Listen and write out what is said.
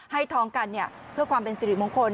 ให้ท้องกันเพื่อความเป็นสิริมงคล